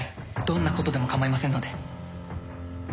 どんなことでも構いませんので。